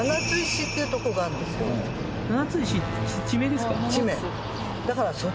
七ツ石って地名ですか？